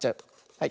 はい。